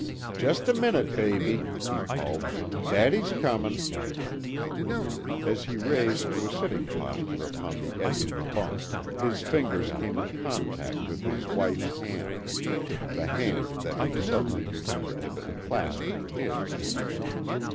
"Just a minute, baby," he called, "Daddy's comin'." As he raised to a sitting posture upon the edge of the bunk his fingers came in contact with his wife's hand the hand that he suddenly remembered had been clasped in his.